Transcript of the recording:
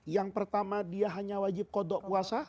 yang pertama dia hanya wajib kodok puasa